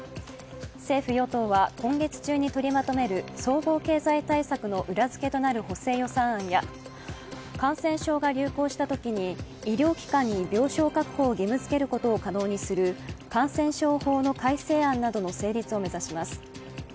政府・与党は今月中に取りまとめる総合経済対策の裏付けとなる補正予算案や感染症が流行したときに医療機関に病床確保を義務づけることを可能にする感染症法の改正案などの成立を目指します。